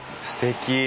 すてき。